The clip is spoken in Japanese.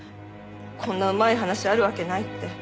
こんなうまい話あるわけないって。